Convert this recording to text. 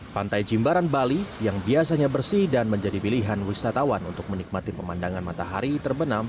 pantai jimbaran bali yang biasanya bersih dan menjadi pilihan wisatawan untuk menikmati pemandangan matahari terbenam